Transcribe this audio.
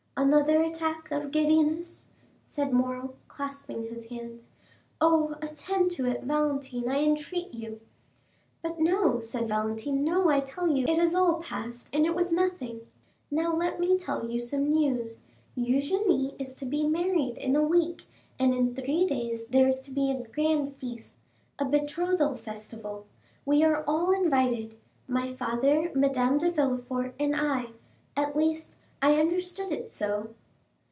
"Another attack of giddiness," said Morrel, clasping his hands. "Oh, attend to it, Valentine, I entreat you." "But no," said Valentine,—"no, I tell you it is all past, and it was nothing. Now, let me tell you some news; Eugénie is to be married in a week, and in three days there is to be a grand feast, a betrothal festival. We are all invited, my father, Madame de Villefort, and I—at least, I understood it so."